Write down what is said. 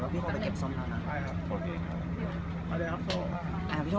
พี่โทษสนุกว่าพี่โทษไปเก็บส้มเหรอนะ